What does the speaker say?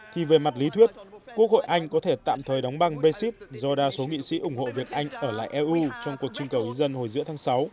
thì về mặt lý thuyết quốc hội anh có thể tạm thời đóng băng beit do đa số nghị sĩ ủng hộ việc anh ở lại eu trong cuộc trưng cầu ý dân hồi giữa tháng sáu